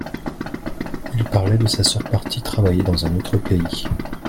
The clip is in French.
il parlait de sa sœur partie travailler dans un autre pays.